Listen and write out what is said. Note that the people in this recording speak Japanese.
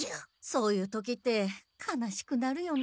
そういう時って悲しくなるよね。